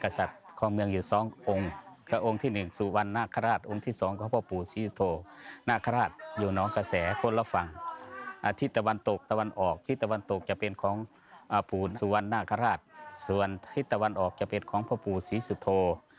ส่วนทิศตะวันออกจะเป็นของพระปู่ศรีสุโธ